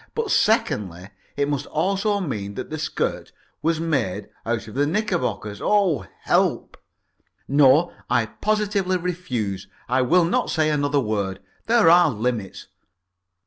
But, secondly, it must also mean that the skirt was made out of the knickerbockers. Oh, help! No, I positively refuse. I will not say another word. There are limits.